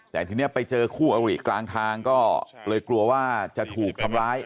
แต่ทีนี้ไปเจอคู่อริกลางทางก็เลยกลัวว่าจะถูกทำร้าย